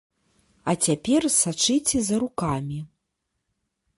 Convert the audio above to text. А цяпер сачыце за рукамі.